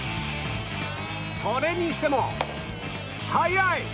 それにしても、速い！